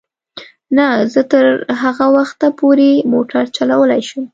نه، زه تر هغه وخته پورې موټر چلولای شم.